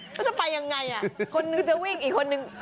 เขาจะไปยังไงคนนึงจะวิ่งอีกคนนึง